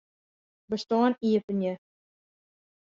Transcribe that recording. Bestân iepenje.